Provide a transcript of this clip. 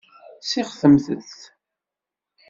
Seɣtimt-t.